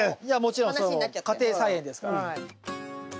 いやもちろん家庭菜園ですから。